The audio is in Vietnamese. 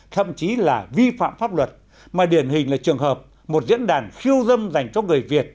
thậm chí là vi phạm pháp luật mà điển hình là trường hợp một diễn đàn khiêu dâm dành cho người việt